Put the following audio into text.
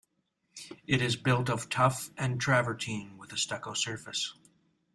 It is built of tuff and travertine with a stucco surface.